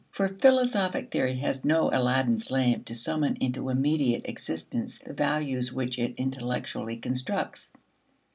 For philosophic theory has no Aladdin's lamp to summon into immediate existence the values which it intellectually constructs.